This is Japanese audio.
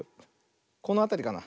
このあたりかな。